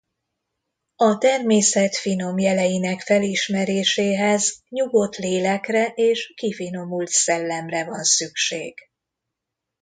A természet finom jeleinek felismeréséhez nyugodt lélekre és kifinomult szellemre van szükség.